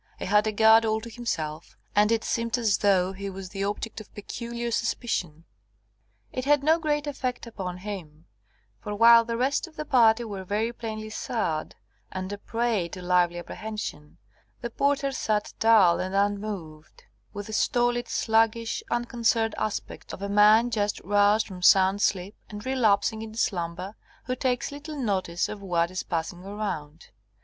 He had a guard all to himself; and it seemed as though he was the object of peculiar suspicion. It had no great effect upon him, for, while the rest of the party were very plainly sad, and a prey to lively apprehension, the porter sat dull and unmoved, with the stolid, sluggish, unconcerned aspect of a man just roused from sound sleep and relapsing into slumber, who takes little notice of what is passing around.